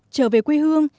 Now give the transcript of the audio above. trở về quê hương